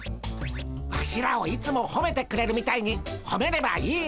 ワシらをいつもほめてくれるみたいにほめればいいんでゴンス。